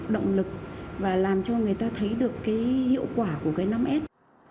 động lực và làm cho người ta thấy được cái hiệu quả của cái năm s